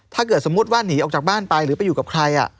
ถ้าเกิดสมมุติว่าหนีออกจากบ้านไปหรือไปอยู่กับใคร